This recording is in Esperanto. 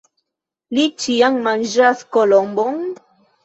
Li ĉiam manĝas kolombon?